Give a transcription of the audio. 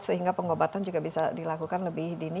sehingga pengobatan juga bisa dilakukan lebih dini